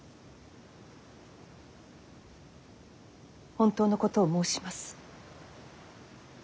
本当のことを申します。